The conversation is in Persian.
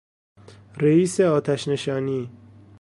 رئیس آتشنشانی